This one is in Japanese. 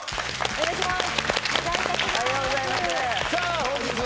お願いします